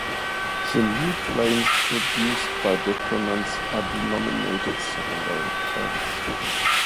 The new planes produced by decrements are denominated secondary planes.